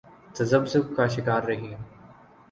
تذبذب کا شکار رہی۔